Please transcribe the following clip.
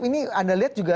ini anda lihat juga